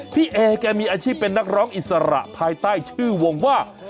พี่เอแกมีอาชีพเป็นนักร้องอิสระภายใต้ชื่อวงว่า